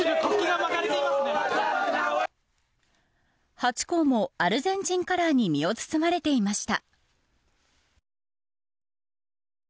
ハチ公もアルゼンチンカラーに身を包まれていました。